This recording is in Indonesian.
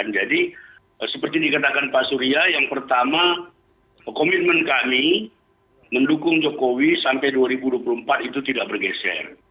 jadi seperti dikatakan pak surya yang pertama komitmen kami mendukung jokowi sampai dua ribu dua puluh empat itu tidak berjalan